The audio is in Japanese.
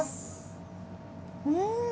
うん。